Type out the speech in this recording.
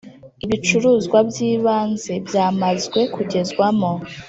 ibicuruzwa by ibanze byamazwe kugezwamo